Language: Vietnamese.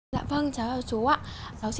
dạ vâng cháu chú ạ